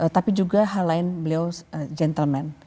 tapi juga hal lain beliau gentleman